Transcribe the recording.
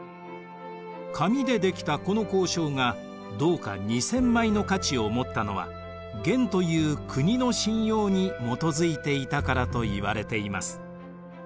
紙で出来たこの交鈔が銅貨２０００枚の価値を持ったのは元という国の信用に基づいていたからといわれています。